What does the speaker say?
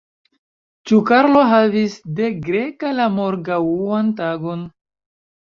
Ĉu Karlo havis de greka la morgaŭan tagon?